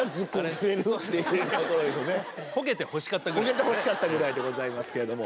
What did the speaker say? コケてほしかったぐらいでございますけれども。